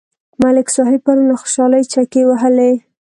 ملک صاحب پرون له خوشحالۍ چکې وهلې.